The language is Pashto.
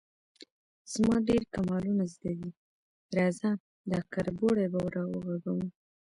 _زما ډېر کمالونه زده دي، راځه، دا کربوړی به راوغږوم.